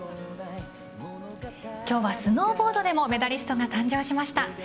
今日はスノーボードでもメダリストが誕生しました。